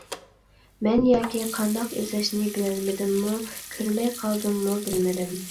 مەن ياكى قانداق ئىزدەشنى بىلەلمىدىممۇ، كۆرمەي قالدىممۇ بىلمىدىم.